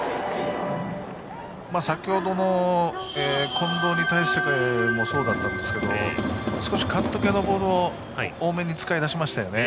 先ほどの近藤の打席でもそうだったんですが少しカット系のボールを多めに使い始めましたよね。